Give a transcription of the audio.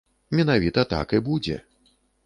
Менавіта так і будзе.